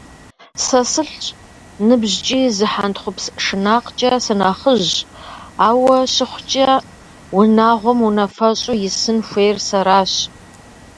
Сэ сылӏщ, ныбжькӏи зы хьэнтхъупс шынакъкӏэ сынэхъыжьщ, ауэ щыхъукӏэ, унагъуэм унафэщӏу исын хуейр сэращ.